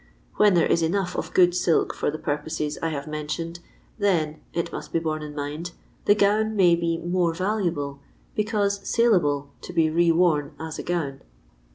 When there is enough of good silk fJMT the purposes I have mentioned, then, it must be borne in mind, the gown may be more valuable, because saleable to be re worn as a gown.